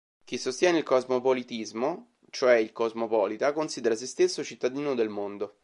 Chi sostiene il cosmopolitismo, cioè il cosmopolita, considera se stesso "cittadino del mondo".